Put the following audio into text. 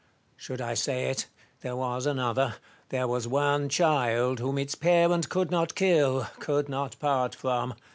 Should I say it ? there was another : there was one child whom its parent could not kill, could not part from.